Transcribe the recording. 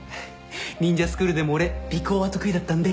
忍者スクールでも俺尾行は得意だったんで。